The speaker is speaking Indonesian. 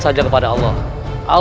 sudah mu alami